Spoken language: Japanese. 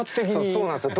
そうなんですよ